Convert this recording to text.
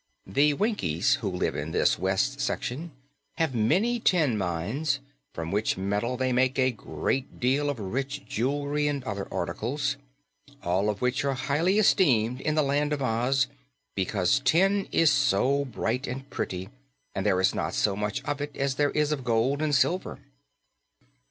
The Winkies who live in this west section have many tin mines, from which metal they make a great deal of rich jewelry and other articles, all of which are highly esteemed in the Land of Oz because tin is so bright and pretty and there is not so much of it as there is of gold and silver.